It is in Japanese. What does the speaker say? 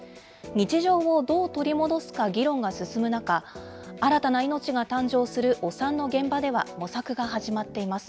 日常をどう取り戻すか議論が進む中、新たな命が誕生するお産の現場では模索が始まっています。